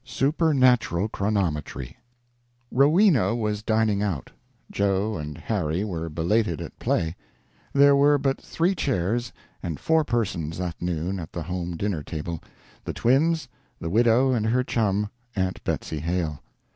SUPERNATURAL CHRONOMETRY Rowena was dining out, Joe and Harry were belated at play, there were but three chairs and four persons that noon at the home dinner table the twins, the widow, and her chum, Aunt Betsy Hale.